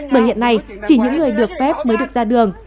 bởi hiện nay chỉ những người được phép mới được ra đường